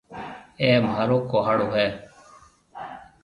اَي مهارو ڪُهاڙو هيَ۔